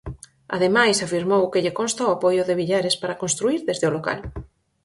Ademais, afirmou que lle "consta" o apoio de Villares para "construír desde o local".